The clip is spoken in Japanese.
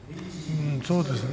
そうですね。